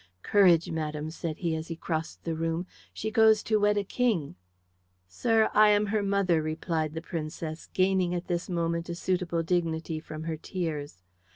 "Courage, madam," said he, as he crossed the room; "she goes to wed a king." "Sir, I am her mother," replied the Princess, gaining at this moment a suitable dignity from her tears.